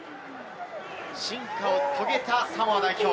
進化を遂げたサモア代表。